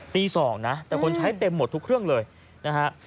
ตี๒นะแต่คนใช้เต็มหมดทุกเครื่องเลยนะฮะ